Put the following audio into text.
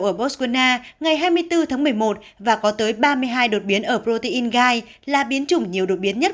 ở botswana ngày hai mươi bốn tháng một mươi một và có tới ba mươi hai đột biến ở protein gai là biến chủng nhiều đột biến nhất